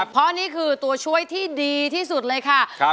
เพราะนี่คือตัวช่วยที่ดีที่สุดเลยค่ะ